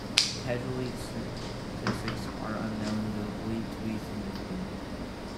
Casualty statistics are unknown though believed to be significant.